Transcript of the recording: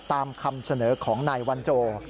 ตามคำเสนอของนายวันโจ